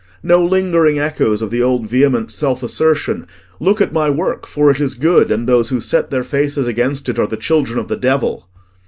No lingering echoes of the old vehement self assertion, "Look at my work, for it is good, and those who set their faces against it are the children of the devil!"